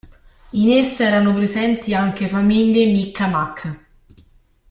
In essa erano presenti anche famiglie Mi'kmaq.